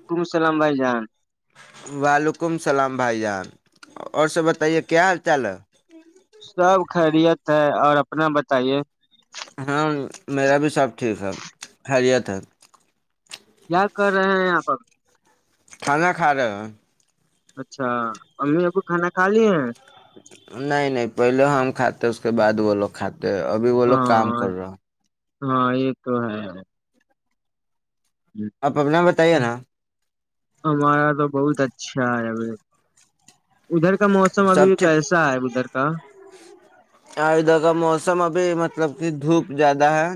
وعلیکم السلام بھائی جان وعلیکم السلام بھائی جان اور سب بتائیے کیا حال چال ہے سب خیریت ہے اور اپنا بتائیے ہاں میرا بھی سب ٹھیک ہے خیریت ہے کیا کر رہے ہیں آپ اب کھانا کھا رہے ہیں اچھا امی آب کو کھانا کھا لیے ہیں نہیں نہیں پہلے ہم کھاتے اس کے بعد وہ لوگ کھاتے ابھی وہ لوگ کام کر ہاں رہا ہے ہاں یہ تو ہے آپ اپنا بتائیے نا ہمارا تو بہت اچھا ہے ادھر کا موسم ابھی سب کیسا ہے ادھر کہ اور ادھر کا موسم ابھی مطلب کہ دھوپ زیادہ ہے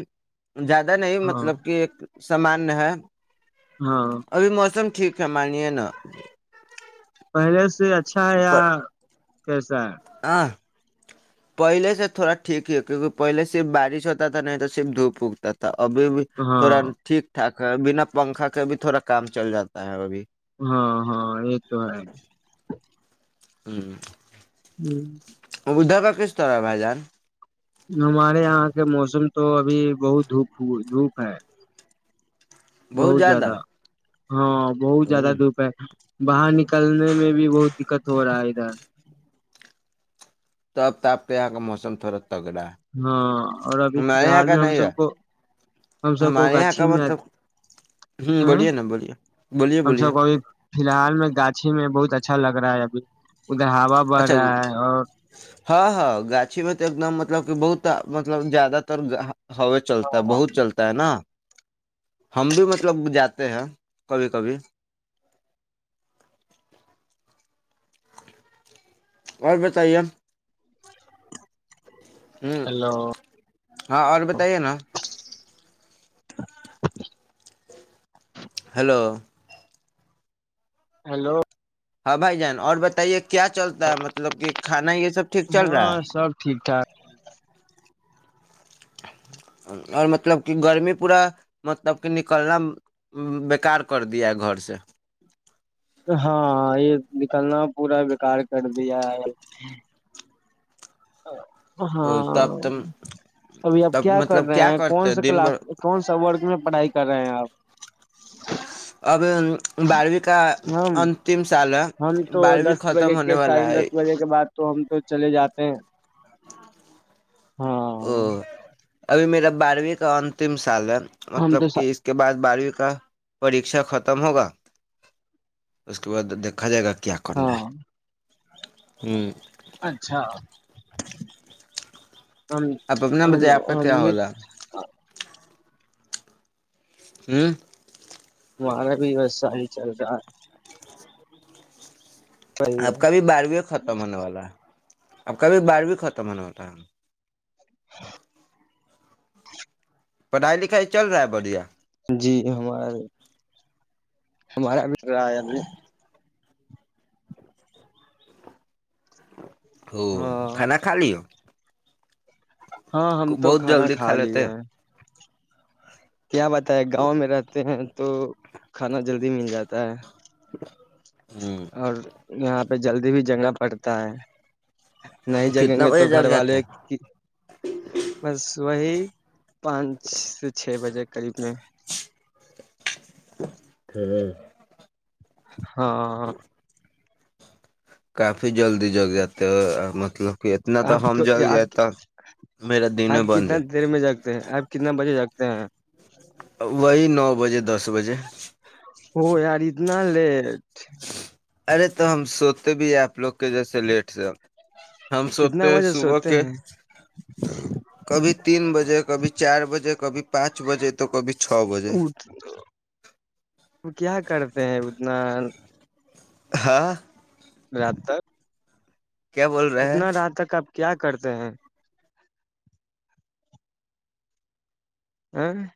زیادہ نہیں ہاں مطلب کہ ایک سامان ہے ہاں ابھی موسم ٹھیک مانی ن پہلے سے اچھا ہے یا کیسا ہے ہاں پہلے سے تھوڑا ٹھیک ہی کیونکہ پہلے صرف بارش ہوتا تھا نہیں تو صرف دھوپ اگتا تھا ابھی بھی تھوڑا ہاں ٹھیک ٹھاک بنا پنکھا کے بھی تھوڑا کام چل جاتا ہے ابھی ہاں ہاں یہ تو ہے ہوں ہوں ادھر کا کس طرح ہے بھائی جان ہمارے یہاں کے موسم تو ابھی بہت دھپ دھوپ ہے بہت زیادہ ہاں بہت ہ زیادہ دھوپ ہے باہر نکلنے میں بھی بہت دقت ہو رہا ہے ادھر تب تاپ کے یہاں کا موسم تھوڑا تگڑا ہے ہاں اور ابھی فی ہمارے یہاں الحال کا میں ہم نہیں سب ہے کو ہم سب کو ہمارے یہاں کا گاھی میں مطلب ہ ا بولیے نا بولیے بولیے ہم بولیے سب کو ابھی فی الحال میں گاھی بہت اچھا لگ رہا ہے ابھی ادھر ہوا بڑھ اچھا رہا ہے اور ہاں ہاں گاچھی میں تو ایک دم مطلب کہ بہت مطلب زیادہ تر ہ چلتا ہے بہت چلتا ہے نا ہم بھی مطلب جاتے ہیں کبھی کبھی اور بتائیے ہوں ہلو ہاں اور بتائیے نا ہلو ہیلو ہاں بھائی جان اور بتائیے کیا چلتا ہے مطلب کہ کھانا یہ سب ٹھیک چل رہا ہاں ہے سب [inaudible] اور مطلب کہ گرمی پورا مطلب کہ نکلنا بیکار کر دیا گھر سے ہاں یہ نکلنا پورا بیکار کر دیا ہے [inaudible] ہاں تب تم ابھی آپ تب کیا کر مطلب رہے ہیں کرتے کون سا دن کلاس بھر کون سا وورگ میں پڑھائی کر رہے ہیں آپ [inaudible] ا [inaudible] اب بارہویں کا ہم انتم سال ہے ہم تو بارہویں دس ختم بجے ہونے کے والا ساڑھے ہے دس بجے کے بعد تو ہم تو چلے جاتے ہیں ہاں او ابھی میرا بارہویں کا انتم سال ہے ہم مطلب تو کہ اس کے بعد بارہویں کا پریشا ختم ہوگا اس کے بعد دیکھا جائے گا ہ کرنا ہاں [inaudible] اچھا ہم آپ اپنا ہم بتیں آپ کا ہم کیا ہو بھی رہ [inaudible] ہمارا بھی ویسا ہی چل رہا ہے صحیح آپ کا ہے بھی بارویں ختم ہونے والا ہے اب کابھی بارو ختم ہونا ہوتا [inaudible] پڑھائی لکھائی چل رہا ہے بڑھیا جی ہمارے ہمارا بیٹ رہا ہے ابھی ہو ہاں کھانا کھا ل ہو ہاں ہم تو بہت کھانا جلدی کھا لیتے لیے کیا بتاائے گاؤں میں رہتے ہیں تو کھانا جلدی مل جاتا ہے [inaudible] اور یہاں پہ جلدی بھی جگا پڑتا ہے نہیں جگیں کتنا گے بجے تو گھر جگ جاتے والے ہیں کی بس وہی پانچ سے چھ بجے قریب میں ہوں ہاں کافی جلدی جگ جاتے ہو [unintelligible] مطلب کہ اتنا تو آپ ہم کو جگ آپ جائ ت میرا دن بن جائے [unintelligible] کتنے بجے جگتے ہیں [unintelligible] وہی نو بجے دس بجے [unintelligible] ا یارتنا لے [unintelligible] ارے تو ہم سوتے بھی ہیں آپ لوگ کے جیسے لیٹ سے [unintelligible] ہم سوتے کتنا ہیں بجے صبح سوتے کے ہیں کبھی تین بجے کبھی چار بجے کبھی پانچ بجے تو کبھی چھ بجے [unintelligible] اٹھ کیا کرتے ہیں ادنان [unintelligible] ہاں [inaudible] رات تک [unintelligible] کیا بول رہے ہیں اتنا رات تک آپ [unintelligible] کیا کرتے ہیں [unintelligible] ہوں [inaudible]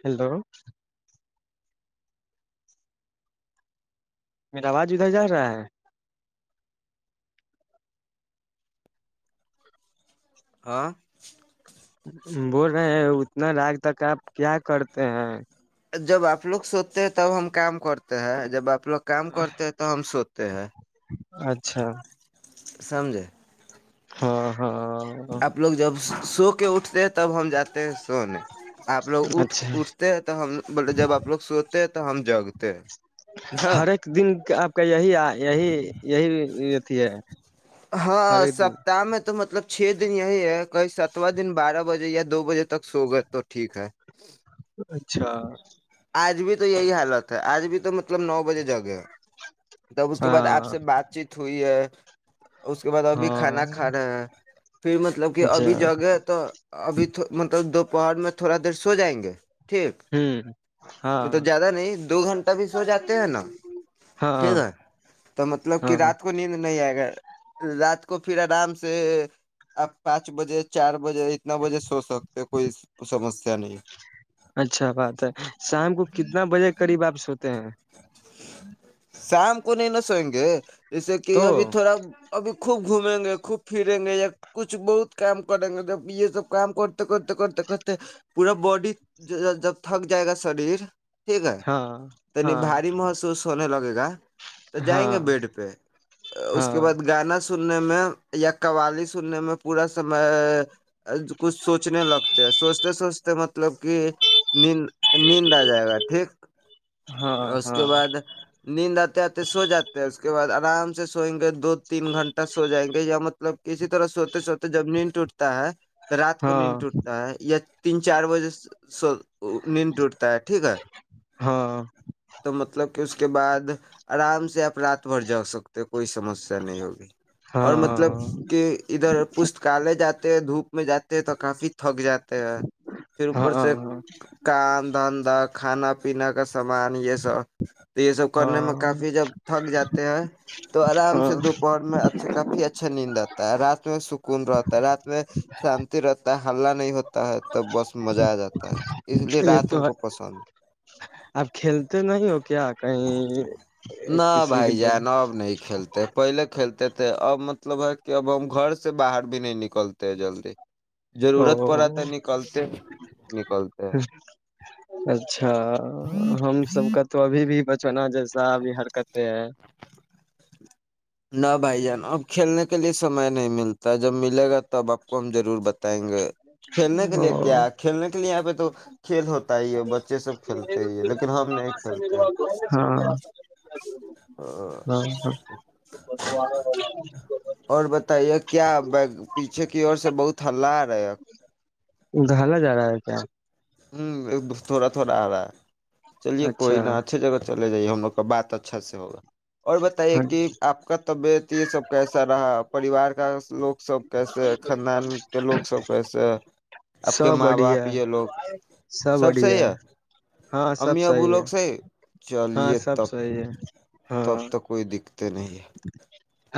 ہیلو میرا آواز ادھر جا رہا ہے [unintelligible] ہاں [unintelligible] بول رہے ہیں اتنا راگ تک آپ کیا کرتے ہیں [unintelligible] جب آپ لوگ سوتے ہیں تب ہم کام کرتے ہیں جب آپ [unintelligible] لوگ کام کرتے ہیں تو ہم سوتے ہیں اچھا [unintelligible] سمجھے [unintelligible] ہاں [inaudible] آپ لوگ جب [unintelligible] سو کے اٹھتے [unintelligible] تب ہم جاتے ہیں سونے آپ لوگ اٹھ اچھا اٹھتے ہیں تو ہم بے جب آپ لوگ سوتے ہیں تو ہم جگتے ہیں ہ ہر ایک دن آپ کا یہی یہی [unintelligible] یہی اھی ہے ہاں ہر ایک دن سپتاہ میں تو مطلب [unintelligible] چھ دن یہی ہے کہیں ستواں دن بارہ بجے یا دو بجے تک سو گئے تو ٹھیک ہے [inaudible] اچھا [inaudible] آج بھی تو یہی حالت ہے آج بھی تو [inaudible] مطلب نو بجے جگے تب اس کے بعد آپ ہاں سے بات چیت ہوئی ہے [inaudible] اس کے بعد ابھی ہاں کھانا کھا رہے ہیں پھر مطلب کہ اچھا ابھی جگے تو ابھی مطلب دو [inaudible] پہاڑ میں تھوڑا دیر سو جائیں گے [inaudible] ہوں [inaudible] مطلب ہاں زیادہ نہیں دو گھنٹہ بھی سو جاتے ہیں نا ہاں ٹھیک ہے تو مطلب کہ ہاں رات کو نیند نہیں آئے گا [inaudible] رات کو پھر آرام سے آپ پانچ بجے چار بجے اتنا بجے سو سکتے [inaudible] تو کوئی سمس [inaudible] [inaudible] اچھا بات ہے [inaudible] شام کو کتنا بجے قریب واپس ہوتے ہیں سام کو نہیںین سو جیسے کہ تو ابھی تھوڑا ابھی خوب گھومیں گے خوب پھریں گے یا کچھ بہت کام کریں گے جب یہ سب کام کرتے کرتے کرتے کرتے پورا باڈی جب تھک جائے گا شریر ہاں ہاں باری محسوس ہو نے لگے گا تو جائیں گے ہاں بیڈ پہ اس کے ہاں بعد گانا سننے میں یا قوالی سننے میں پورا سم کچھ سوچنے لگتے ہیں سوچتے سوچتے مطلب کہ ند نیند آ جائے گا ٹھیک اور ہاں اس کے ہاں بعد نیند آتے آتے سو جاتے ہیں اس کے بعد آام سے سوئنگت بھی دو تین گنٹہ سے ہو جائیں گے یا مب مطلب کسی طرح سوتے سوتے جب نیند ٹوٹتے ہے تو رات کو نیند ہاں ٹوٹتا ہے یا تین چار بجے [inaudible] نیند ٹوٹتا ہے ٹھیک ہے ہاں تو مطلب کہ اس کے بعد آرام سے آپ رات بھر جا سکتے کوئی سمسیا نہیں ہوگی اور مطلب ہاں کہ ادھر پستکالے جاتا دھوپ میں جاتے ہیں تو کافی تھک جاتا پھر اوپر سے ہاں کام دھندا کھانا پینا کا سامان یہ سب تو یہ سب کرنے میں ہاں کافی جب تھک جاتے ہیں تو آرام ہاں سے دوپہر میں اچھا کافی اچھا نیند آتا ہے رات میں س کون رات رات میں شان ر حللہ نہیں ہوتا ہے تو بس میں مزہ آ جاتا ہے اس لیے یہ رات ہم تو ہے کو پسند آپ کھیلتے نہیں ہو کیا کہیں نہ کسی کے بھائی جان اب نہیں کھیلتے پہلے کھیلتے تھے اب مطلب ہے کہ اب ہم گھر سے باہر بھی نہیں نکلتے ہیں جلدی او ضرورت پڑا تو ہے نکلتے نکلتے ہیں اچھا ہم سب کا تو ابھی بھی بچنا جس زا بھی حرکتیں ہیں نہ بھائی جان اب کھیلنے کے لیے سمئے نہیں ملتا جب ملے گا تب آپ کو ہم ضرور بتیں یں گے کھیلنے کے لیے کیا ہاں کھیلنے کے لیے یہاں پہ تو کھیل ہوتا ہی ہے بچے سب کھیلتے ہی لیکن ہم نہیں کھیلتے ہیں او، ہاں ہاں [inaudible] یہ کیا پیچھے کی اورر سے بہت ہلہ آ رہا ہے ڈھالا جا رہا ہے کیا تھوڑا تھوڑا چلیے کوئی اچھا نا اچھیے جگہ چل جائیے ہم لوگ کا بات ا [inaudible] اور بتائیے ہاں کہ آپ کا طبیعت یہ سب کیسا رہا پریوار کا لوگ سب کیسے ہے خاندان کے لوگ سب کیسے ہے آپ کے سب ماں بڑھیا باپ ہے یہ لوگ سب بڑھیا ہے ہاں سب امی سی ابو ہے لوگ صحیح ہاں چلیے سب تب سحی ہے ہاں [inaudible] [inaudible] آپ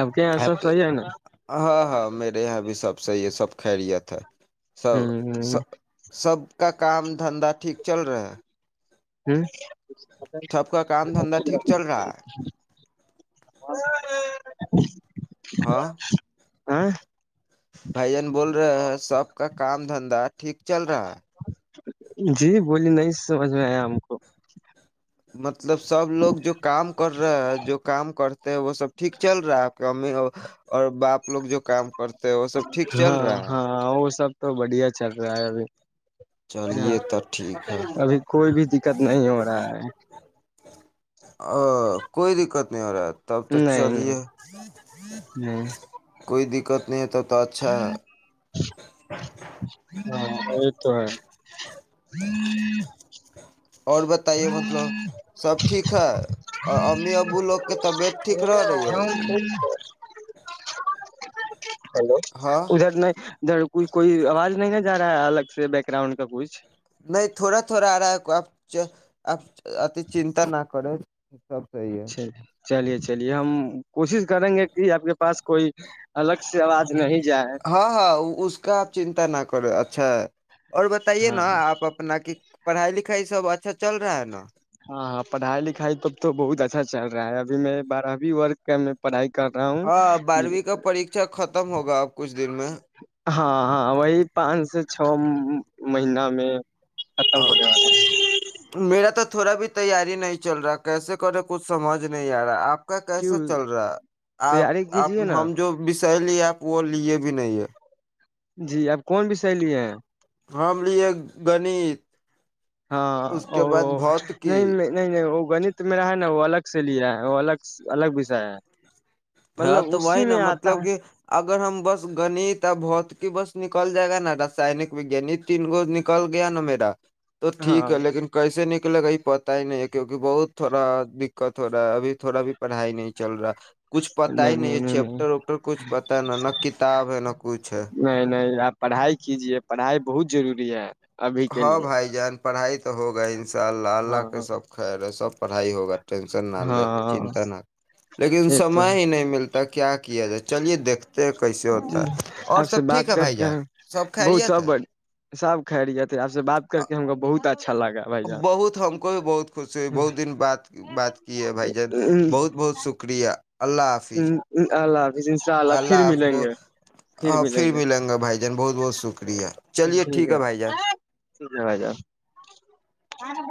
آپ کے یہاں سب صحیح ہے نا ہاں ہاں میرے یہاں بھی سب صحیح ہے سب خیریت ہے سب س ہوں سب کا کام دھندا ٹھیک چل رہا ہے [inaudible] سب کا کام دھندا ٹھیک چل رہا ہے [inaudible] ہاں [inaudible] بھائی جان بول سب کا کام دھندا ٹھیک چل رہا ہے جی بولی نہیں سمجھ میں آیا ہم کو [inaudible] سب لوگ جو کام کر رہے ہے جو کام کرتے ہیں وہ سب ٹھیک چل رہا ہے ی اور باپ لوگ جو کام کرتے ہیں وہ سب ٹھیک چل ہاں رہا ہے ہاں وہ سب تو بڑھیا چل رہا ہے ابھی چلیے تو ٹھیک ہے ابھی کوئی بھی دقت نہیں ہو رہا ہے ا کوئی دقت نہیں ہو رہا تھا تب تو نہیں نہیں چلیے نہیں کوئی د اچھا ہے ہاں یہ تو ہے اور بتائیے مطلب سب ٹھ ہے اور امی ابو لوگ کے طبیعت ٹھ رہ رہی ہے ہیلو ہاں ادھر نہیں ادھر کچھ کوئی آواز نہیں نہ جا رہا ہے الگ سے بیک گراؤنڈ کا کچھ نہیں تھوڑا تھوڑا آ رہا ہے آپ اتی چنتا نہ کریں سب [unintelligible] چل چلیے چلیے ہم کوشش کریں گے کہ آپ کے پاس کوئی الگ سے آواز نہیں جائے ہاں ہاں اس کا آپ چنتا نہ کرو اچا چھ اور بتائیے ہاں نا آپ اپنا کی پڑھائی لکھائی سب اچھا چل رہا ہے نا ہاں ہاں پڑھائی لکھائی توب تو بہت اچھا چل رہا ہے ابھی میں بارہویں ورگ کا پڑھائی کر رہا ہوں ہاں بارہویں کا پریکشا ختم ہوگا اب کچھ دن میں ہاں ہاں وہی پانچ سو چھ مہین میں ختم ہاں بولے وال میرا تو تھوڑا بھی تیاری نہیں چل رہا کیسے کرے کچھ سمجھ نہیں آ رہا آپ کا کیسا کیوں چل رہا ہے آپ تیاری آپ کیجیے نا ہم جو سہیلی آپ وہ لیے بھی نہیں ہے جی اب کون وشے لیے ہیں ہم لے گنت ہاں اس او کے بعد بھوت نہیں کی نہیں نہیں نہیں گنت میرا ہے نا وہ الگ سے لیا ہے وہ الگ الگ وشا ہے ہاں مطلب تو اسی وہی نا میں آتا مطلب ہے کہ اگر ہم بس گنیت ہے بہت کی بس نکل جائے گا نا رسائنک وگانی تین گو نکل گیا نا میرا تو ٹھیک ہاں ہے لیکن کیسے نک کے لےگئی پتہ ہی نہیں ہے کیوںک بہت تھوڑا دقت ہو رہا ہے ابھی تھوڑا بھی پڑھائی نہیں چل رہا ہے کچھ پتا ہی نہیں ہے چیپٹر وپٹر کچھ پتا ہے نا نہ کتاب ہے نہ کچھ ہے نہیں نہیں آپ پڑھائی کیجیے پڑھائی بہت ضروری ہے ابھی کے ہاں لیے بھائی جان پڑھائی تو ہوگا ان شاء اللہ ہاں اللہ کے سب خیر ہے سب پڑھائی ہوگا ٹینشن نہ لے ہاں چنتا نہ لیکن یہ تو سمے ہی نہیں ملتا تو کیا کیا جائے چلیے دیکھتے کیسے ہوتا جی، ہے اور آپ سے سب ٹھیک بات ہے کر بھائی کے جان سب بہت خیریت ہے سب سب خریییات آ سے بات کر کے ہم بہت اچھا لگا بھائی جان بہت ہم کو بھی بہت خوشی ہوئی بہت دن بات بات کی ہے بھائی جان بہت بہت شکریہ اللہ حافظ ہ اللہ آ اللہ آپ کو ہاں پھر ملیں گا بھائی جان بہت بہت شکریہ چلیے ٹھیک ہے بھائی جان [unintelligible]